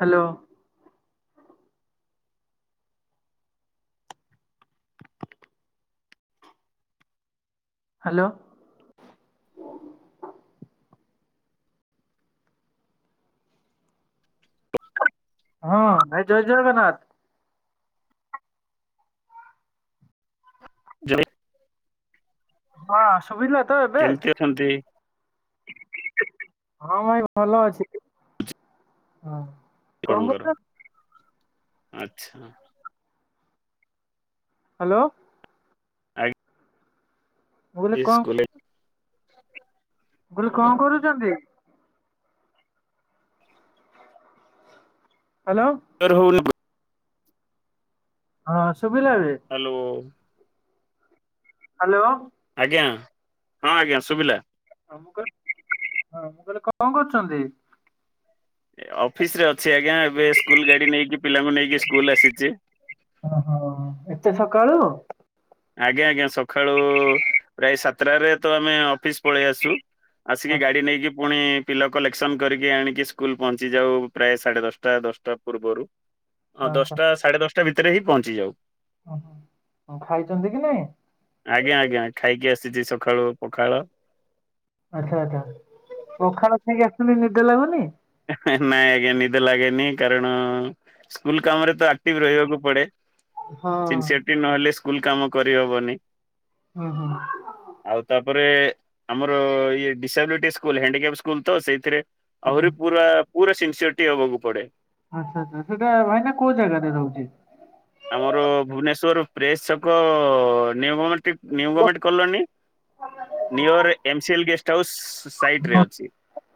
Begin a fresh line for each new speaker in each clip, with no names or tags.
Hello. Hello. ହଁ ଭାଇ ଜୟ ଜଗନ୍ନାଥ।
ଜୟ
ହଁ ଶୁଭିଲା ତ ଏବେ?
କେମିତି ଅଛନ୍ତି
ହଁ ଭାଇ ଭଲ ଅଛି। ହଁ। କଣ
ଆପଣଙ୍କର?
କରୁଛନ୍ତି
ଆଚ୍ଛା।
ହାଲୋ।
ଆ
ମୁଁ କହିଲି
ଡିସ୍
କଣ
ସ୍କୁଲେ
ମୁଁ କହିଲି କଣ କରୁଛନ୍ତି? ହ୍ୟାଲୋ
ତୋର ହୋଉନି ପ୍ରା
ହଁ। ଶୁଭିଲା ଏବେ
ହ୍ୟାଲୋ।
ହାଲୋ।
ଆଜ୍ଞା। ହଁ ଆଜ୍ଞା ସୁଭିଲା।
ମୁଁ କହିଲି। ମୁଁ କହିଲି କଣ କରୁଛନ୍ତି?
ଅଫିସ ରେ ଅଛି ଆଜ୍ଞା। ଏବେ ସ୍କୁଲ ଗାଡି ନେଇକି ପିଲାଙ୍କୁ ନେଇକି ସ୍କୁଲ ଆସିଛି।
ହଁ ଏତେ ସକାଳୁ?
ଆଜ୍ଞା ଆଜ୍ଞା। ସକାଳୁ ପ୍ରାୟ ସାତଟାରେ ତ ଆମେ ଅଫିସ ପଳେଇ ଆସୁ। ଆସିକି ଗାଡି ନେଇକି ପୁଣି ପିଲା କଲେକ୍ସନ କରିକି ଆଣିକି, ସ୍କୁଲ ପହଞ୍ଚି ଯାଉ। ପ୍ରାୟ ସାଢ଼େ ଦଶଟା ଦଶଟା ପୂର୍ବରୁ। ହଁ
ଆଚ୍ଛା
ଦଶଟା ସାଢେ ଦଶଟା ଭିତରେ, ହିଁ ପହଞ୍ଚି ଯାଉ।
ଓହୋ। ଖାଇଛନ୍ତି କି ନାଇଁ
ଆଜ୍ଞା ଆଜ୍ଞା। ଖାଇକି ଆସିଛି ସକାଳୁ ପଖାଳ।
ଆଛା ଆଚ୍ଛା। ପଖାଳ ଖାଇକି ଆସିଛନ୍ତି ନିଦ ଲାଗୁନି?
ନାଇଁ ଆଜ୍ଞା। ନିଦ ଲାଗେନି, କାରଣ ସ୍କୁଲ କାମରେ ତ ଆକ୍ଟିଭ ରହିବାକୁ ପଡେ।
ହଁ
ସିନ୍ସିୟରିଟି ନହେଲେ ସ୍କୁଲ କାମ କରିହବନି।
ଓ ହୋ।
ତା ପରେ ଆମର ଇଏ ଡିସାବିଲିଟି ସ୍କୁଲ ହାଣ୍ଡିକ୍ୟାପ୍ ସ୍କୁଲ ତ ସେଇଥିରେ
ହଁ ହଁ।
ଆହୁରି ପୁରା ପୁରା ସିନ୍ସିଅରଟି ହବାକୁ ପଡେ।
ଆଚ୍ଛା ଆ୍ଛା ସେଇଟା ଭାଇନା କୋଉ ଜାଗାରେ ରହୁଛି।
ଆମର ଭୁବନେଶ୍ଵର ପ୍ରେସ ଛକ ନିଉ ଗମେଣ୍ଟିକ। New government colony near MCL guest house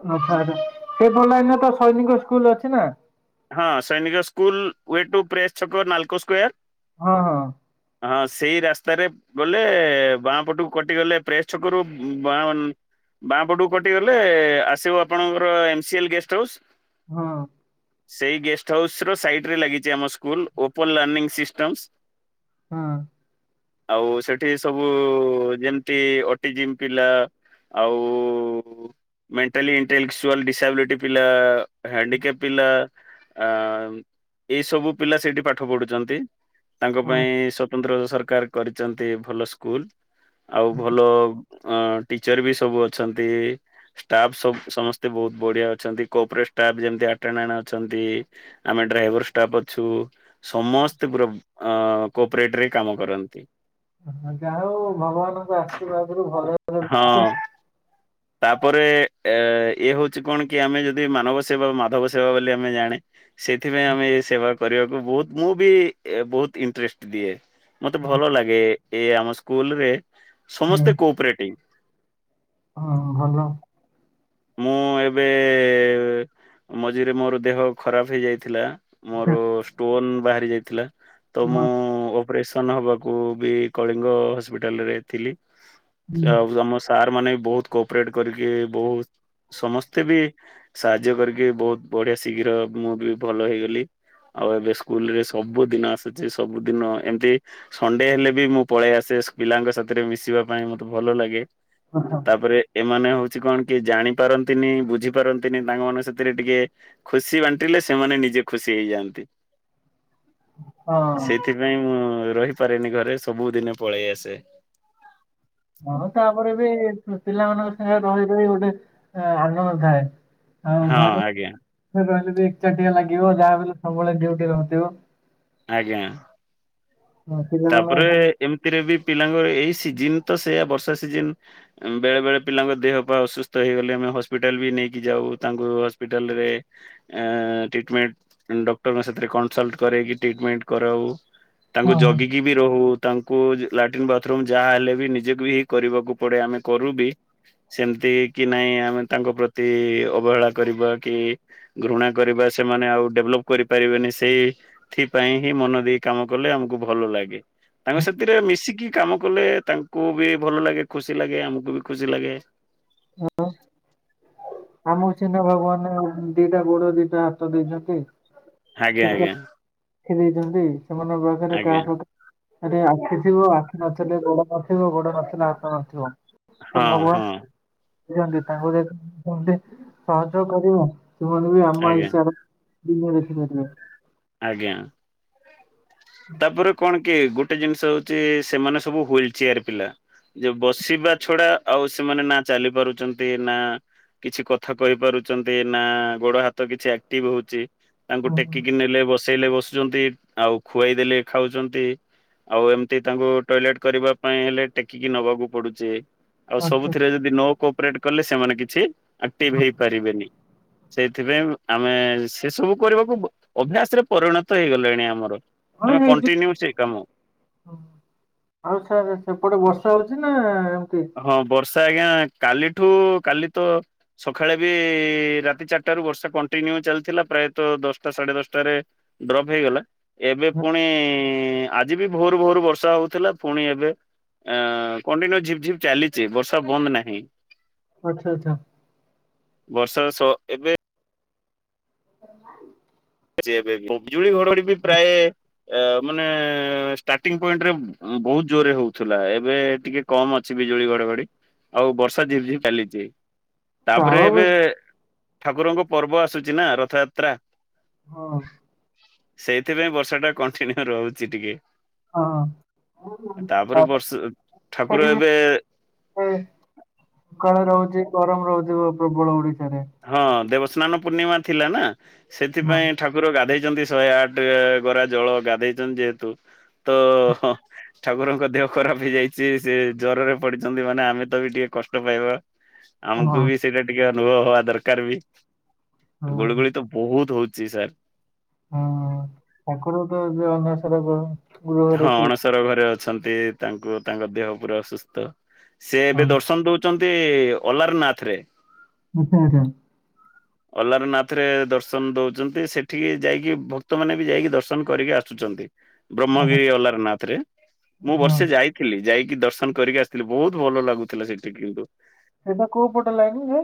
ସେପଟ ଲାଇନ ରେ ତ ସୈନିକ ସ୍କୁଲ ଅଛି ନା
ହଁ Sainik school way to press ଛକ ନାଲକୋ ସ୍କୋୟାର
ହଁ ହଁ
ହଁ ସେଇ ରାସ୍ତାରେ ଗଲେ ବାଁ ପଟୁକୁ କଟି ଗଲେ ପ୍ରେସ୍ ଛକରୁ ବାଁ ବାଁପଟକୁ କଟି ଗଲେ ଆସିବ ଆପଣଙ୍କର ଏମସିଏଲ ଗେଷ୍ଟ ହାଉସ୍
ହଁ
ସେଇ ଗେଷ୍ଟ ହାଉସ ର ସାଇଟ ରେ ଲାଗିଛି ଆମ ସ୍କୁଲ ଓପନ ଲାର୍ଣିଂ ସିଷ୍ଟମସ
ହଁ
ଆଉ ସେଠି ସବୁ ଯେମିତି ଅଟିଜିିମ୍ ପିଲା ଆଉ ମେଣ୍ଟାଲି ଇଣ୍ଟେଲେକ୍ଚୁଆଲ ଡିସାବିଲିଟି ପିଲା ହ୍ୟାଣ୍ଡିକେପ୍ ପିଲା ଆ ଏଇ ସବୁ ପିଲା ସେଇଠି ପାଠ ପଢୁଛନ୍ତି ତାଙ୍କ ପାଇଁ ସ୍ଵତନ୍ତ୍ର ସରକାର କରିଛନ୍ତି ଭଲ ସ୍କୁଲ ଆଉ ଭଲ ଅ ଟିଚର ବି ସବୁ ଅଛନ୍ତି ଷ୍ଟାଫ୍ ସ ସମସ୍ତେ ବହୁତ ବଢିଆ ଅଛନ୍ତି କୋପ୍ରେଟଷ୍ଟାପ୍ ଯେମିତି ଆଟେନାନା ଅଛନ୍ତି ଆମେ ଡ୍ରାଇଭର ଷ୍ଟାପ୍ ଅଛୁ ସମସ୍ତେ ପୁରା କୋପ୍ରେଟରେ କାମ କରନ୍ତି।
ହ ଯା ହଉ ଭଗବାନଙ୍କ ଆଶୀର୍ବାଦରୁ ଘରେ
ହଁ।
ରୁ
ତାପରେ ଅ ଇଏ ହଉଛି କଣ କି ଆମେ ଯଦି ମାନବ ସେବା ମାଧବ ସେବା ବୋଲି ଆମେ ଜାଣେ ସେଥିପାଇଁ ଆମେ ଏ ସେବା କରିବାକୁ ବହୁତ ମୁଁ ବି ବହୁତ ଇଣ୍ଟରେଷ୍ଟ ଦିଏ। ମତେ ଭଲ ଲାଗେ ଏ ଆମ ସ୍କୁଲରେ
ହଁ
ସମସ୍ତେ କୋପ୍ରେଟିଭ
ହଁ ଭଲ
ମୁଁ ଏବେଏ ମଝିରେ ମୋର ଦେହ ଖରାପ ହେଇଯାଇଥିଲା ମୋର ଷ୍ଟୋନ ବାହାରି ଯାଇଥିଲା ତ ମୁଁ ଅପରେସନ ହବାକୁ ବି କଳିଙ୍ଗ ହସ୍ପିଟାଲରେ ଥିଲି। ଆଉ ଆମ ସାର୍ ମାନେବି ବହୁତ କୋପରେଟ କରିକି ବହୁତ ସମସ୍ତେ ବି ସାହାଯ୍ୟ କରିକି ବହୁତ ବଢିଆ ଶୀଘ୍ର ମୁଁ ବି ଭଲ ହେଇଗଲି। ଆଉ ଏବେ ସ୍କୁଲ ରେ ସବୁ ଦିନ ଆସୁଛି ସବୁ ଦିନ ଏମତି ସଣ୍ଡେ ହେଲେ ବି ମୁଁ ପଳେଇ ଆସେ ପିଲାଙ୍କ ସାଥିରେ ମିଶିବା ପାଇଁ ମତେ ଭଲ ଲାଗେ ତାପରେ ଏମାନେ ହଉ କଣ କି ଜାଣି ପାରନ୍ତିନି ବୁଝି ପାରନ୍ତିନି ତାଙ୍କ ମାନ ସେଥିରେ ଟିକେ ଖୁସି ବାଣ୍ଟିଲେ ସେମାନେ ନିଜେ ଖୁସି ହେଇଯାଆନ୍ତି।
[inaudible] ହଁ।
ସେଇଥିପାଇଁ ମୁଁ ରହିପାରେନି ଘରେ ସବୁ ଦିନେ ପଳେଇ ଆସେ
ହଁ ତାପରେ ବି ପିଲାମାନଙ୍କ ସାଙ୍ଗରେ ରହି ରହି ଗୋଟେ ଆନନ୍ଦ ଥାଏ। ଆଉ
ହଁ
ଘର
ଆଜ୍ଞା
ରହିଲେ ବି ଏକ ଚାଟିଆ ଲାଗିବ ଯାହାଲେ ସବୁବେଳେ ଡିଉଟି ରହୁଥିବ।
ଆଜ୍ଞା।
ହଁ
ତାପରେ
ପିଲାମାନଙ୍କୁ
ଏମିତିରେ ବି ପିଲାଙ୍କର ଏଇ ସିଜିନ୍ ତ ସେଆା ବର୍ଷା ସିଜନ ବେଳେ ବେଳେ ପିଲାଙ୍କ ଦେହ ପା ଅସୁସ୍ଥ ହେଇଗଲେ ଆମେ ହସ୍ପିଟାଲ ବି ନେଇକି ଯାଉ। କୁ ତାଙ୍କୁ ହସ୍ପିଟାଲରେ ଏଁ ଟିଟିମେଣ୍ଟ ଡକ୍ଟରଙ୍କ ସାଥିରେ କନ୍‌ସଲପ୍ଟ କରେଇକି ଟି ଟିଟିମେଣ୍ଟ କରାଉ ତାଙ୍କୁ
ହଁ ହଁ।
ଯଗିକି ହଉ ତାଙ୍କୁ ଲାଟିନ୍ ବାଥରୁମ ଯାହାହେଲେ ବି ନିଜେକୁ ହିଁ କରିବାକୁ ପଡେ ଆମେ କରୁ ବି। ସେମିତି କି ନାଇଁ ଆମେ ତାଙ୍କ ପ୍ରତି ଅବହେଳା କରିବା କି ଘୃଣା କରିବା ସେମ ମାନେ ଆଉ ଡେଭଲପ କରିପାରିବେନି ସେଇଥିପାଇ ହିଁ ମନ ଦେଇ କାମ କଲେ ଆମକୁ ଭଲ ଲାଗେ ଗେ। ତାଙ୍କ ସାଥିରେ ମିଶିକି କାମ କଲେ ତାଙ୍କୁ ବି ଭଲ ଲାଗେ ଖୁସି ଲାଗେ ଆମକୁ ବି ଖୁସି ଲାଗେ।
ହଁ। ଆମକୁ ସିନା ଭାଗବନେ ଦିଟା ଗୋଡ଼, ଦିଟା ହାତ ଦେଇ ଚନ୍ତି।
ଆଜ୍ଞା ଆଜ୍ଞା।
ଚନ୍ତି ସେମାନଙ୍କ ପାଖରେ କାହା
ଆଜ୍ଞା
ପା--ରେ ଆଖି ଥିବ ଆଖି ନଥିଲେ ଗୋଡ ନଥିବ, ଗୋଡ ନଥିଲେ ହାତ ନଥିବ।
ହଁ ହଁ!
ଚନ୍ତି ତାଙ୍କୁ ଯେମ ସହଯୋଗ କରିବ। ସେମାନେ ବି ଆମ
ଆଜ୍ଞା
ଇସା [unintelligible]
ଆଜ୍ଞା। ତାପରେ କ'ଣ କି ଗୋଟେ ଜିନ୍‌ଷ ହଉଛି, ସେମାନେ ସବୁ ହ୍ୱିଲ୍ ଚିୟାର ପିଲା। ଯେ ବସିବା ଛଡା ଆଉ ସେମାନେ ନା ଚାଲି ପାରୁଚନ୍ତି। ନା କିଛି କଥା କହି ପାରୁଚନ୍ତି, ନା ଗୋଡ ହାତ କିଛି ଆକ୍ଟିଭ୍‌ ହଉଛି। ତାଙ୍କୁ
ହୁଁ ହୁଁ
ଟେକିକି ନେଲେ ବସେଇଲେ ବସୁଛନ୍ତି, ଆଉ ଖୁଏଇ ଦେଲେ ଖାଉଚନ୍ତି। ଆଉ ଏମତି ତାଙ୍କୁ ଟଏଲେଟ୍ କରିବା, ପାଇଁ ହେଲେ ଟେକିକି ନବାକୁ ପଡୁଚି। ଆଉ
ଆଚ୍ଛା।
ସବୁଥିରେ ଯଦି ନଅ କୋପ୍ରେଟେ କଲେ, ସେମାନେ କିଛି ଆକ୍ଟିଭ୍ ହେଇ ପାରିବେନି। ସେଇଥି ପାଇଁ ଆମେ ସେ ସବୁ କରିବାକୁ, ଅଭ୍ୟାସ୍‌ ରେ ପରିଣତ ହେଇ ଗଲାଣି ଆମର। ଆମେ କଣ୍ଟିନ୍ୟୁ ସେଇ କାମ
ଆଉ ସାର୍ ସେପଟେ ବର୍ଷା ହଉ? ନା। ଏମିତି?
ହଁ! ବର୍ଷ ତ ଆଜ୍ଞା, କାଲିଠୁ କାଲି ତ ସଖାଳେ ବି ରାତି ଚାରିଟାରୁ ବର୍ଷା କଣ୍ଟିନ୍ୟୁ ଚାଲିଥିଲା ପ୍ରାଏତ ଦଶଟା ସାଢ଼େ ଦଶଟାରେ ଡ୍ରପ୍ ହେଇଗଲା। ଏବେ ପୁଣି ଆଜି ବି ଭୋରୁ ଭୋରୁ ବର୍ଷା ହଉଥିଲା। ପୁଣି ଏବେ ଆଁ କଣ୍ଟିନ୍ୟୁ ଝିପ୍ ଝିପ୍ ଚାଲିଚି ବର୍ଷା ବନ୍ଦ ନାହିଁ।
ଅଚ୍ଛା ଚ୍ଛା।
ବର୍ଷା ସ ଏବେ ବିଜୁଳି ଘଡଘଡି ବି ପ୍ରାଏ ମାନେ ଷ୍ଟାଟିଙ୍ଗ୍ ପଏଣ୍ଟ୍ ରେ ବହୁତ୍‌ ଜୋରେ ହଉଥିଲା। ଏବେ ଟିକେ କମ୍ ଅଛି, ବିଜୁଳି ଘଡଘଡି। ଆଉ ବର୍ଷା ଝିପ୍ ଝିପ୍ ଚାଲିଚି। ତା'ପରେ
କାଳ
ଏବେ
ବୈଶାଖୀ
ଠାକୁରଙ୍କ ପର୍ବ ଆସୁଚି ନା ରଥଯାତ୍ରା।
ହଁ!
ସେଇଥିପାଇଁ ବର୍ଷା ଟା କଣ୍ଟିନ୍ୟୁ ରହୁଚି ଟିକେ।
ହଁ!
ତାପରେ
ହଁ।
ବର୍ଷ ଠାକୁର ଏବେ
କାଳେ ରହୁଛି ଗରମ ରହୁଥିବ ପ୍ରବଳ ଓଡିଶାରେ।
ହଁ! ଦେବସ୍ନାନ ପୂର୍ଣ୍ଣିମା ଥିଲା ନା।
ହଁ
ସେଥିପାଇଁ ଠାକୁର ଗାଧେଇ ଚନ୍ତି, ଶହେ ଆଠେ ଗରା ଜଳ ଗାଧେଇଚନ୍ତି। ଯେହେତୁ ତ ଠାକୁରଙ୍କ ଦେହ ଖରାପ ହେଇଯାଇଚି, ସେ ଜର ରେ ପଡିଚନ୍ତି। ମାନେ ଆମେ ତ ବି ଟିକେ କଷ୍ଟ ପାଇବା। ଆମକୁ
ହଁ।
ବି ସେଇଟା ଟିକେ ଅନୁଭବ ହବା, ଦରକାର ବି।
ହଁ
ଗୁଳ୍ଗୁଳି ତ ବହୁତ୍ ହଉଚି ସାର୍।
ହୁଁ! ଠାକୁର ତ ଏବେ ଅନସର ଗୃହରେ
ହଁ!
ଥିବେ।
ଅଣସର ଘରେ ଅଛନ୍ତି। ତାଙ୍କୁ ତାଙ୍କ ଦେହ ପୁରା ଅସୁସ୍ଥ। ସେ
ହଁ
ଏବେ ଦର୍ଶନ ଦଉଚନ୍ତି ଅଲାରନାଥ୍ ରେ।
ଆଚ୍ଛା ଆଚ୍ଛା।
ଅଲାରନାଥ୍ ରେ ଦର୍ଶନ ଦଉଚନ୍ତି। ସେଠିକି ଯାଇକି ଭକ୍ତ ମାନେ ବି ଯାଇକି ଦର୍ଶନ କରିକି ଆସୁ ସୁଚନ୍ତି,
ଓହୋ,
ବ୍ରହ୍ମଗିରି ଅଲାରନାଥ ରେ ମୁଁ
ହଁ
ବର୍ଷେ ଯାଇଥିଲି। ଯାଇ ଦର୍ଶନ କରିକି ଆସ୍‌ଥିଲି, ବହୁତ୍ ଭଲ ଲାଗୁଥିଲା ସେଠି କିନ୍ତୁ।
ସେଟା କଉ ପଟ ଲାଇନ୍ ହେ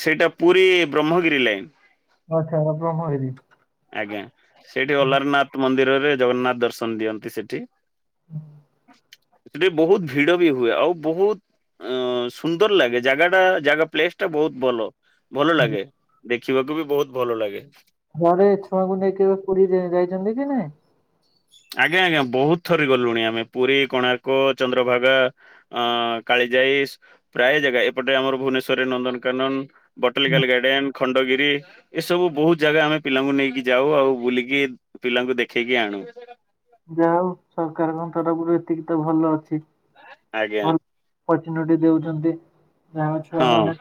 ସେଇଟା ପୁରୀ ବ୍ରହ୍ମଗିରି ଲାଇନ୍।
ଆଚ୍ଛା, ବ୍ରହ୍ମଗିରି।
ଆଜ୍ଞା। ସେଇଠି ଅଲାରନାଥ୍ ମନ୍ଦିରରେ ଜଗନ୍ନାଥ ଦର୍ଶନ ଦିଅନ୍ତି ସେଠି। ସେଠି ବହୁତ ଭିଡ ବି ହୁଏ ଆଉ ବହୁତ ଅ ସୁନ୍ଦର ଲାଗେ ଜାଗା ଟା ଜାଗା ପ୍ଲେସ ଟା ବହୁତ ଭଲ। ଭଲ ଲାଗେ ଦେଖିବାକୁ ବି ବହୁତ ଭଲ ଲାଗେ।
ଘରେ ଛୁଆଙ୍କୁ ନେଇ କେବେ ପୁରୀ ଯା- ଯାଇଛନ୍ତି ନାଇଁ।
ଆଜ୍ଞା ଆଜ୍ଞା ବହୁତ ଥର ଗଲୁଣି ଆମେ ପୁରୀ, କୋଣାର୍କ, ଚନ୍ଦ୍ରଭାଗା ଆ କାଳି ପ୍ରାୟ ଜାଗା ଏପଟେ ଆମର ଭୁବନେଶ୍ଵରରେ ନନ୍ଦନକାନନ
ନା।
ବଟାନିକାଲ ଗାର୍ଡେନ ଖଣ୍ଡଗିରି ଏସବୁ ବହୁତ ଜାଗା ଆମେ ପିଲାଙ୍କୁ ନେଇକି ଯାଉ ଆଉ ବୁଲିକି ପିଲାଙ୍କୁ ଦେଖେଇକି ଆଣୁ।
ଯା ହଉ ସରକାରଙ୍କ ତରଫରୁ ଏତିକି ତ ଭଲ ଅଛି।
ଆଜ୍ଞା।
ଭଲ [unintelligible] ଦଉଛନ୍ତି ଯାହା ଛୁଆ
ହଁ
ମାନେ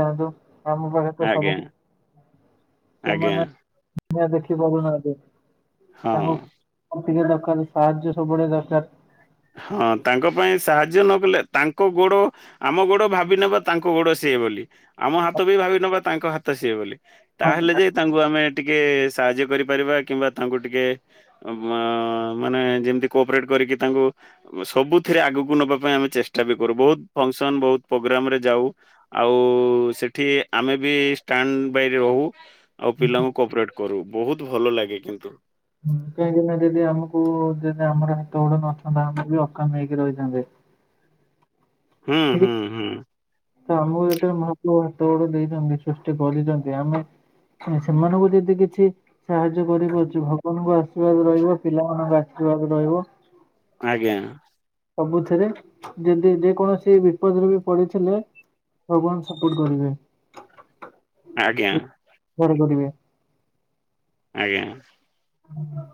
ଯାଆନ୍ତୁ। ଆମ ପାଖରେ ତ ସବୁ
ଆଜ୍ଞା
କି
ଆଜ୍ଞା।
ଛୁଆ ଦେଖି ପାରୁନାହାନ୍ତି।
ହଁ।
ତାଙ୍କୁ ଟିକେ ଦରକାର ସାହାଯ୍ୟ ସବୁବେଳେ ଦରକାର।
ହଁ ତାଙ୍କ ପାଇଁ ସାହାଯ୍ୟ ନ କଲେ ତାଙ୍କ ଗୋଡ ଆମ ଗୋଡ ଭାବିିନବ ତାଙ୍କ ଗୋଡ ସେ ସେ ବୋଲି ଆମ ହାତ ବି ଭାବି ନବା ତାଙ୍କ ହାତ ସିଏ ବୋଲି
ହଁ,
ତାହେଲେ ଯାଇ ତାଙ୍କୁ ଆମେ ଟିକେ ସାହାଯ୍ୟ କରିପାରିବା କିମ୍ବା ତାଙ୍କୁ ଟିକେ ମାନେ ଯେମିତି କୋପରେଟ୍ କ ଟି କରିକି ତାଙ୍କୁ ସବୁଥିରେ ଆଗକୁ ନବା ପାଇଁ ଆମେ ଚେଷ୍ଟା ବି କରୁ ବହୁତ ଫଙ୍କସନ ବହୁତ ପ୍ରୋଗ୍ରାମ ରେ ଯାଉ। ଆଉ ସେଠି ଆମେ ବି ଷ୍ଟାଣ୍ଡ ବାଏରେ ରହୁ। ଆଉ ପିଲାଙ୍କୁ କୋପରେଟ କରୁ ବହୁତ ଭଲ ଲାଗେ କିନ୍ତୁ।
ହୁଁ କାହିଁକି ନା ଯଦି ଆମକୁ ଯଦି ଆମର ହାତ ଗୋଡ ନଥାନ୍ତା ଆମକୁ ବି ଅକାମ ହେଇକି ରହିଥାନ୍ତେ। [inaudible]
ହୁଁ
[unintelligible]
ହୁଁ ହୁଁ
ତ ଆମକୁ ଯେତେବେଳେ ମହାପ୍ରଭୁ ହାତ ଗୋଡ ଦେଇଛନ୍ତି, ସୃଷ୍ଟି କରିଛନ୍ତି ଆମେ ସେମାନଙ୍କୁ ଯଦି କିଛି ସାହାଯ୍ୟ କରିପାରୁଛି ଭଗବାନଙ୍କ ଆଶୀର୍ବାଦ ରହିବ ପିଲାମାନଙ୍କ ଆଶୀ ଦେଖିବାକୁ ରହିବ।
ଆଜ୍ଞା।
ସବୁଥିରେ ଯଦି ଯେକୌଣସି ସେ ବିପଦରେ ବି ପଡିଥିଲେ ଭଗବାନ ସପୋର୍ଟ କରିବେ।
ଆଜ୍ଞା।
କରିପାରିବେ।
ଆଜ୍ଞା।
ହୁଁ।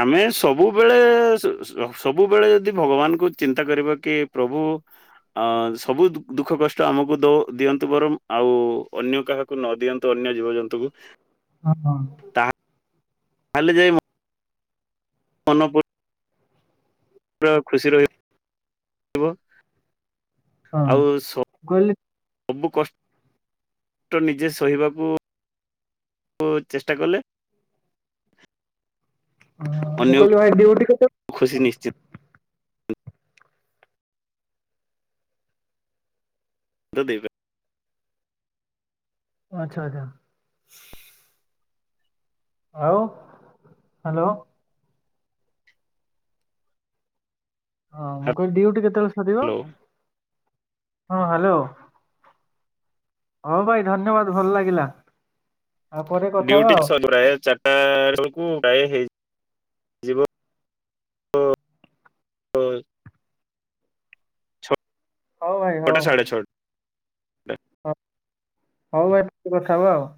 ଆମେ ସବୁବେଳେ ସବୁବେଳେ ଯଦି ଭଗବାନଙ୍କୁ ଚିନ୍ତା କରିବା କି ପ୍ରଭୁ ଅ ସବୁ ଦୁଃଖ କଷ୍ଟ ଆମକୁ ଦଉ ଦିଅନ୍ତୁ ବରଂ, ଆଉ ଅନ୍ୟ କାହାକୁ ନ ଦିଅନ୍ତୁ ଅନ୍ୟ ଜୀବଜନ୍ତୁଙ୍କୁ
ହଁ।
ତାହେଲେ ଯାଇ ମୁଁ ମନ ପୁରା ଖୁସି ରହିବ।
ହଁ
ଆଉ
ମୁଁ କହିଲି
ସବୁ କଷ୍ଟ ନିଜେ ସହିବାକୁ କୁ ଚେଷ୍ଟା କଲେ।
ମୁଁ
ଅନ୍ୟକୁ
କହିଲି ଭାଇ ଦିଉଟି
ଖୁସି
କେତଳେ?
ନିଶ୍ଚିନ୍ତ ଏବେ
ଆଚ୍ଛା ଆଚ୍ଛା। ଆଉ ହାଲୋ। ହଁ ମୁଁ କହିଲି ଡିଉଟି କେତେବେଳେ ସରିବ
ହ୍ୟାଲୋ
ହଁ ହାଲୋ। ହଁ ଭାଇ ଧନ୍ୟବାଦ ଭଲ ଲାଗିଲା। ଆଉ ପରେ କଥା ହବା
ଡ୍ୟୁଟି
ଆଉ
ସ ପ୍ରାୟ ଚାରିଟା ବେଳକୁ ପ୍ରାୟ ହେଇ ଜିଵ ତ ଛ
ହୋଉ ଭାଇ ହୋଉ ହ ହଉ ଭାଇ କଥା ହବା ଆଉ